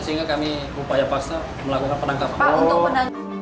sehingga kami upaya paksa melakukan penangkapan